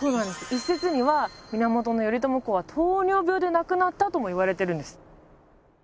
一説には源頼朝公は糖尿病で亡くなったともいわれてるんです。